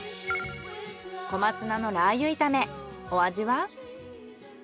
小松菜のラー油炒めお味は？